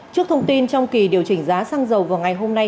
trước thông tin trong kỳ điều chỉnh giá xăng dầu vào ngày hôm nay